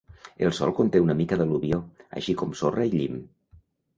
El sòl conté una mica d'al·luvió, així com sorra i llim.